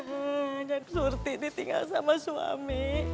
banyak surti ditinggal sama suami